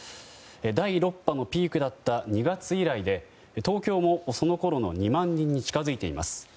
第６波のピークだった２月以来で東京も、そのころの２万人に近づいています。